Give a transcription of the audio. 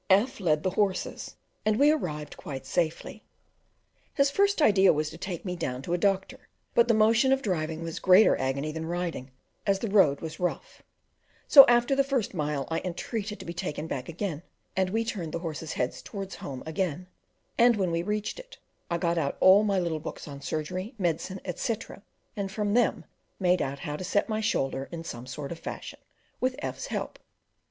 F led the horses, and we arrived quite safely. His first idea was to take me down to a doctor, but the motion of driving was greater agony than riding, as the road was rough; so after the first mile, I entreated to be taken back, and we turned the horses' heads towards home again; and when we reached it, I got out all my little books on surgery, medicine, etc., and from them made out how to set my shoulder in some sort of fashion, with F 's help.